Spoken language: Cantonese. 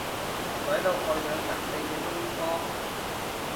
鬼佬愛上神秘嘅東方